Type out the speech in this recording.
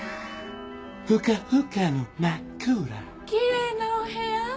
きれいなお部屋。